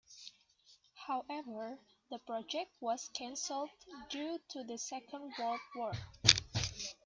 However, the project was cancelled due to the Second World War.